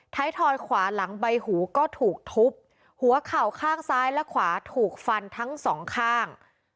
ทอยขวาหลังใบหูก็ถูกทุบหัวเข่าข้างซ้ายและขวาถูกฟันทั้งสองข้าง